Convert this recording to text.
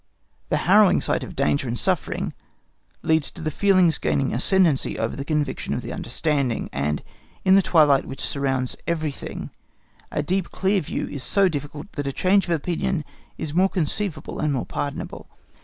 The harrowing sight of danger and suffering easily leads to the feelings gaining ascendency over the conviction of the understanding; and in the twilight which surrounds everything a deep clear view is so difficult that a change of opinion is more conceivable and more pardonable.